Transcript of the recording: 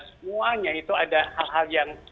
semuanya itu ada hal hal yang